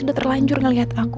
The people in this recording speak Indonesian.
udah terlanjur ngeliat aku